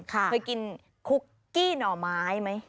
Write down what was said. เคยกินคุกกี้หน่อไม้ไหม